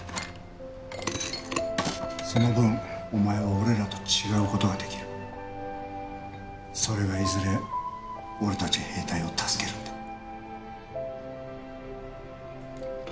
その分お前は俺らと違うことができるそれがいずれ俺達兵隊を助けるんだ